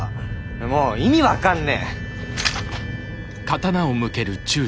もう意味分かんねえ。